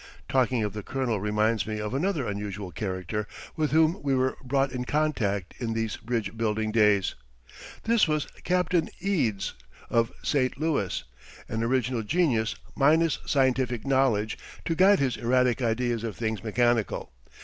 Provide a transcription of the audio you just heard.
Talking of the Colonel reminds me of another unusual character with whom we were brought in contact in these bridge building days. This was Captain Eads, of St. Louis, an original genius minus scientific knowledge to guide his erratic ideas of things mechanical.